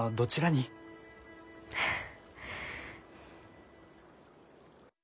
フッ。